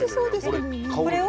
これを？